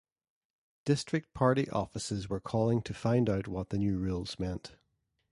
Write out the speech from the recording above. District party offices were calling to find out what the new rules meant.